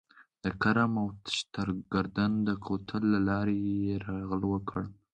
د کرم او شترګردن د کوتل له لارې یې یرغل وکړ.